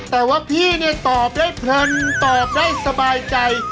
แต่ว่าพี่เนี่ยตอบได้เพลินตอบได้สบายใจ